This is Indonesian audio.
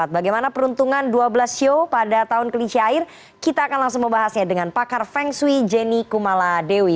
bagaimana peruntungan dua belas show pada tahun kelinci air kita akan langsung membahasnya dengan pakar feng shui jenny kumala dewi